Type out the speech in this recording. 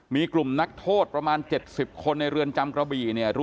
มีกลุ่มนักโทษประมาณ๗๐คนในเรือนจำกระบี่เนี่ย